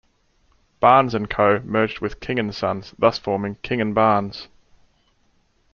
Barnes and Co., merged with King & Sons thus forming King and Barnes.